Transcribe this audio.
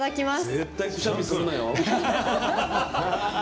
絶対くしゃみするなよ。